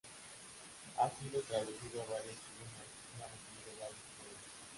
Ha sido traducido a varios idiomas, y ha recibido varios premios.